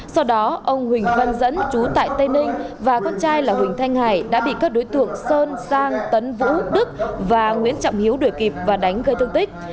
sau đó ông huỳnh văn dẫn chú tại tây ninh và con trai là huỳnh thanh hải đã bị các đối tượng sơn sang tấn vũ đức và nguyễn trọng hiếu đuổi kịp và đánh gây thương tích